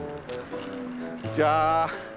こんにちは。